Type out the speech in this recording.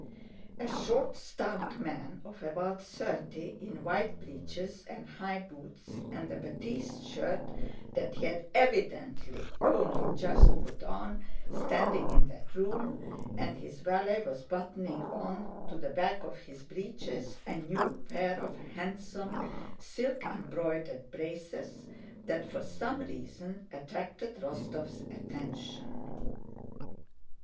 A short stout man of about thirty, in white breeches and high boots and a batiste shirt that he had evidently only just put on, standing in that room, and his valet was buttoning on to the back of his breeches a new pair of handsome silk embroidered braces that, for some reason, attracted Rostóv's attention.